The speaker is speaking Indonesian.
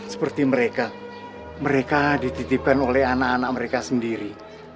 seperti mereka mereka dititipkan oleh anak anak mereka sendiri